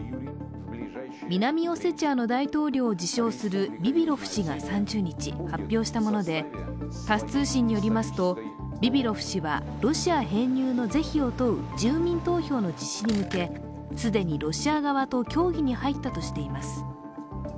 南オセチアの大統領を自称するビビロフ氏が３０日、発表したものでタス通信によりますとビビロフ氏はロシア編入の是非を問う住民投票の実施に向け、既にロシア側と協議に入ったとしています。